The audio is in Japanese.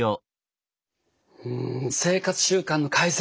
うん生活習慣の改善。